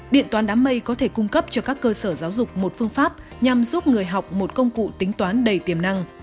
điện toán đám mây có thể cung cấp cho các cơ sở giáo dục một phương pháp nhằm giúp người học một công cụ tính toán đầy tiềm năng